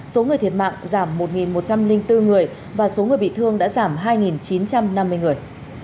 số người thiệt mạng giảm một một trăm linh bốn người và số người bị thương đã giảm hai chín trăm năm mươi người